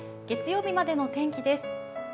月曜日までの天気です。